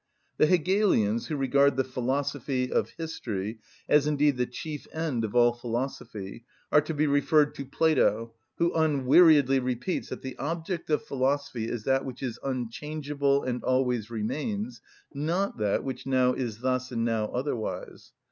The Hegelians, who regard the philosophy of history as indeed the chief end of all philosophy, are to be referred to Plato, who unweariedly repeats that the object of philosophy is that which is unchangeable and always remains, not that which now is thus and now otherwise.